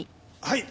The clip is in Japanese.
はい。